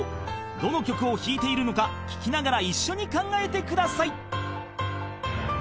［どの曲を弾いているのか聴きながら一緒に考えてください］